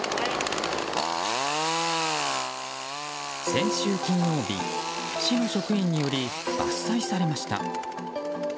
先週金曜日、市の職員により伐採されました。